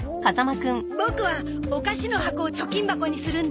ボクはお菓子の箱を貯金箱にするんだ。